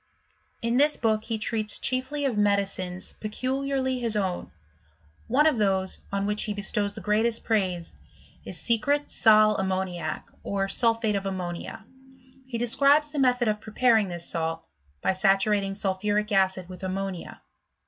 — In this book he treats chiefly of medicines pecuEarly his own ; one of those, on which he bestows the greatest praise, is secret seu ammaniacy or sulphate of ammo nia. He describes the method of preparing this salt, by saturating sulphuric acid with ammonia.